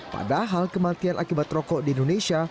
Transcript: padahal kematian akibat rokok di indonesia